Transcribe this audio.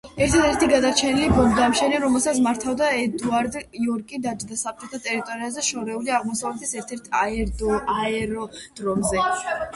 ერთადერთი გადარჩენილი ბომბდამშენი, რომელსაც მართავდა ედუარდ იორკი დაჯდა საბჭოთა ტერიტორიაზე, შორეული აღმოსავლეთის ერთ-ერთ აეროდრომზე.